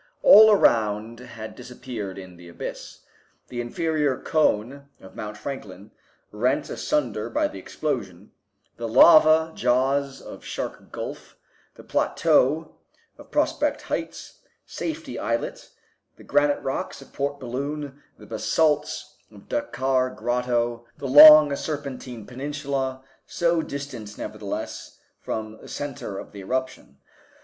All around had disappeared in the abyss; the inferior cone of Mount Franklin, rent asunder by the explosion; the lava jaws of Shark Gulf, the plateau of Prospect Heights, Safety Islet, the granite rocks of Port Balloon, the basalts of Dakkar Grotto, the long Serpentine Peninsula, so distant nevertheless from the center of the eruption.